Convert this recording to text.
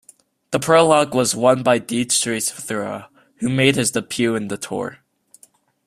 The prologue was won by Dietrich Thurau, who made his debut in the Tour.